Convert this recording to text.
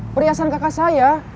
perhiasan kakak saya